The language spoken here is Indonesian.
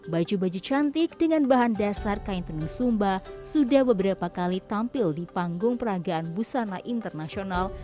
baju baju cantik dengan bahan dasar kain tenun sumba sudah beberapa kali tampil di panggung peragaan busana internasional